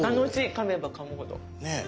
かめばかむほど。ねぇ。